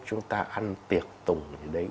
chúng ta ăn tiệc tủng gì đấy